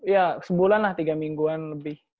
ya sebulan lah tiga mingguan lebih